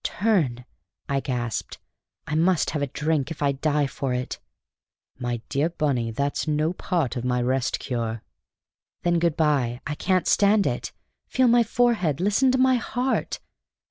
"Turn!" I gasped. "I must have a drink, if I die for it." "My dear Bunny, that's no part of my Rest Cure." "Then good by! I can't stand it; feel my forehead; listen to my heart!